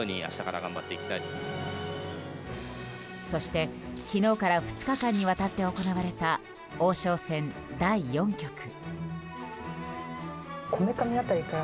そして、昨日から２日間にわたって行われた王将戦第４局。